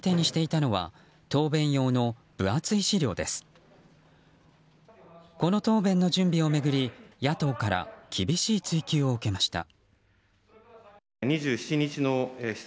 この答弁の準備を巡り野党から厳しい追及を受けました。